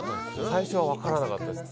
最初はわからなかったです。